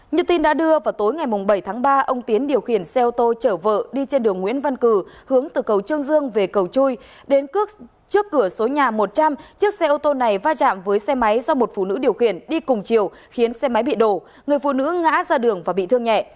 như tin đã đưa vào tối ngày bảy tháng ba ông tiến điều khiển xe ô tô chở vợ đi trên đường nguyễn văn cử hướng từ cầu trương dương về cầu chui đến trước cửa số nhà một trăm linh chiếc xe ô tô này va chạm với xe máy do một phụ nữ điều khiển đi cùng chiều khiến xe máy bị đổ người phụ nữ ngã ra đường và bị thương nhẹ